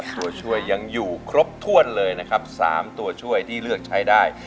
ตัวช่วยยังอยู่ครบถ้วนเลยนะครับ๓ตัวช่วยที่เลือกใช้ได้